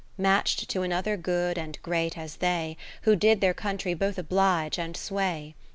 Match'd to another good and great as they, Who did their country both oblige and sway.